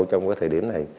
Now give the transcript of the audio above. trong cái thời điểm này